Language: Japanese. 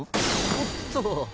おっと！